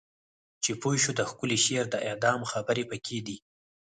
چې پوه شو د ښکلی شعر د اعدام خبر پکې دی